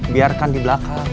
biarkan di belakang